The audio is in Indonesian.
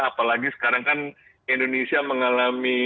apalagi sekarang kan indonesia mengalami